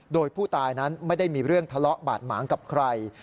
โดยผู้ตายนั้นไม่ได้มีเรื่องทะเลาะบาดหมางกับใคร